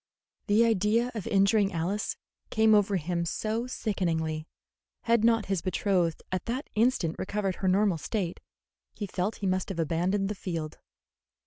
The idea of injuring Alice came over him so sickeningly that, had not his betrothed at that instant recovered her normal state, he felt that he must have abandoned the field.